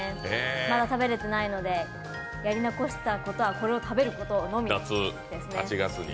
まだ食べれてないのでやり残したことはこれを食べれていないことですね。